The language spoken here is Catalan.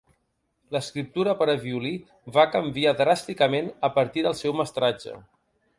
L'escriptura per a violí va canviar dràsticament a partir del seu mestratge.